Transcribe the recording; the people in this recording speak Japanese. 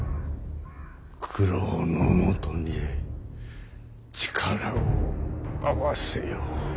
九郎のもとで力を合わせよ。